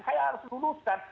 saya harus luluskan